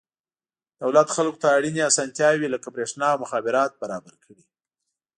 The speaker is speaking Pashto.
دولت خلکو ته اړینې اسانتیاوې لکه برېښنا او مخابرات برابر کړي.